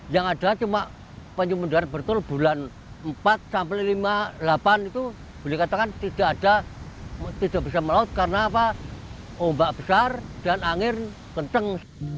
yang ada cuma penyumbunuhan betul bulan empat sampai lima puluh delapan itu boleh dikatakan tidak ada tidak bisa melaut karena ombak besar dan angin kencang